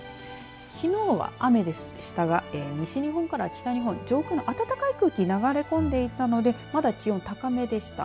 きのうは雨でしたが西日本から北日本、上空の暖かい空気流れ込んでいたのでまだ気温高めでした。